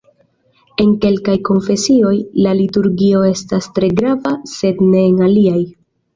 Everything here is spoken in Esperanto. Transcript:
En kelkaj konfesioj, la liturgio estas tre grava, sed ne en aliaj.